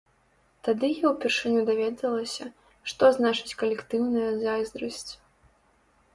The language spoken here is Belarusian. Тады я ўпершыню даведалася, што значыць калектыўная зайздрасць.